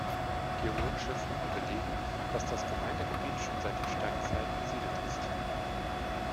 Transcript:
Geologische Funde belegen, dass das Gemeindegebiet schon seit der Steinzeit besiedelt ist.